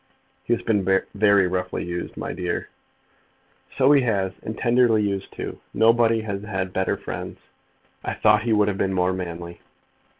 "He has been very roughly used, my dear." "So he has, and tenderly used too. Nobody has had better friends. I thought he would have been more manly."